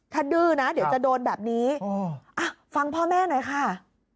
ถ้าดื้อนะเดี๋ยวจะโดนแบบนี้ฟังพ่อแม่หน่อยค่ะ